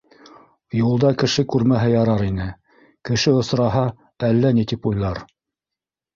Юлда кеше күрмәһә ярар ине, кеше осраһа, әллә ни тип уйлар.